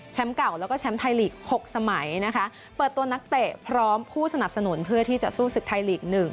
เก่าแล้วก็แชมป์ไทยลีก๖สมัยนะคะเปิดตัวนักเตะพร้อมผู้สนับสนุนเพื่อที่จะสู้ศึกไทยลีก๑